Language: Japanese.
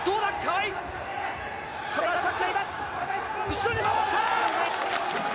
後ろに回った！